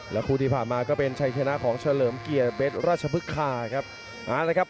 และคู่ที่ผ่านมาก็เป็นชัยชนะของเฉลิมเกียร์เบสรัชพฤคาครับ